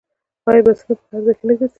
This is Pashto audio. آیا بسونه په هر ځای کې نه ګرځي؟